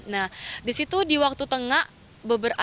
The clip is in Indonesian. nah disitu di waktu tengah beberapa